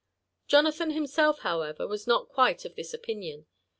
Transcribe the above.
Jonathan himself, however, was not quite of this opinion.